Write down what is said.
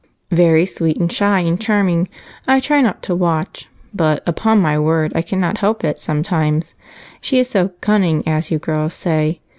"Very sweet and shy and charming. I try not to watch but upon my word I cannot help it sometimes, she is so 'cunning,' as you girls say.